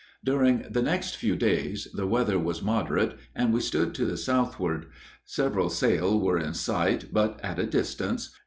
During the next few days the weather was moderate, and we stood to the southward; several sail were in sight, but at a distance.